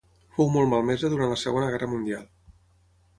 Fou molt malmesa durant la Segona Guerra Mundial.